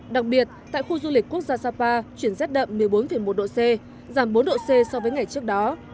đặc biệt tại khu du lịch quốc gia sapa chuyển rét đậm một mươi bốn một độ c giảm bốn độ c so với ngày trước đó